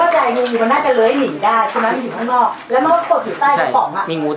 แค่แน่ไม่มีใครเห็นเลย